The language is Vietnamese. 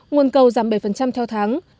nguồn cầu giảm bảy theo tháng